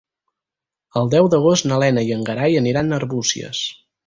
El deu d'agost na Lena i en Gerai aniran a Arbúcies.